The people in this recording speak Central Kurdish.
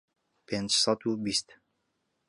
پێنج سەد و بیست